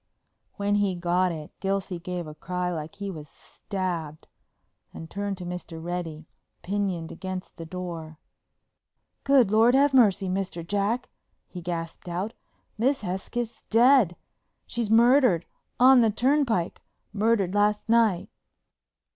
When he got it Gilsey gave a cry like he was stabbed, and turned to Mr. Reddy, pinioned against the door. "Good Lord, have mercy, Mr. Jack," he gasped out. "Miss Hesketh's dead. She's murdered—on the turnpike—murdered last night!"